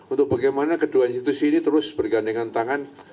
untuk bagaimana kedua institusi ini terus bergandengan tangan